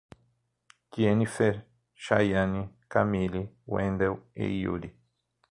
Dienifer, Chaiane, Camille, Wendell e Iure